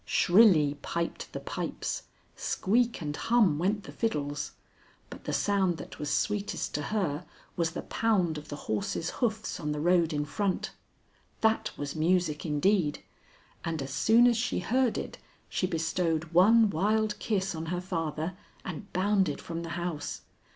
"Shrilly piped the pipes, squeak and hum went the fiddles, but the sound that was sweetest to her was the pound of the horses' hoofs on the road in front. That was music indeed, and as soon as she heard it she bestowed one wild kiss on her father and bounded from the house.